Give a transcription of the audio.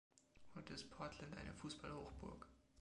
Heute ist Portland eine Fußball-Hochburg.